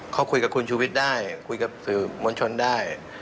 เขาคุยกับคุณชูวิทย์ได้คุยกับสื่อมวลชนได้